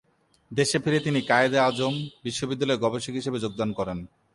দেশে ফিরে তিনি কায়েদ-এ-আজম বিশ্ববিদ্যালয়ে গবেষক হিসেবে যোগদান করেন।